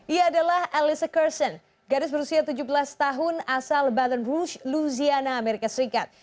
ia adalah alyssa kersen gadis berusia tujuh belas tahun asal baton rouge louisiana amerika serikat